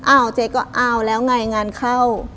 เจ๊ก็อ้าวแล้วไงงานเข้า